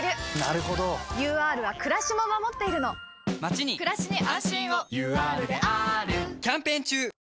ＵＲはくらしも守っているのまちにくらしに安心をＵＲであーるキャンペーン中！